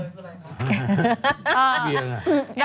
พี่เวียไง